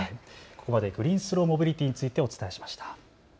ここまでグリーンスローモビリティについてお伝えしました。